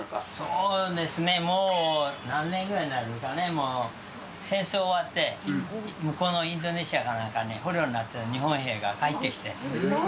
そうですね、もう何年ぐらいになるかね、戦争終わって、向こうのインドネシアから捕虜になっていた日本兵が帰ってきて。